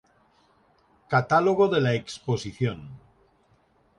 Catálogo de la exposición.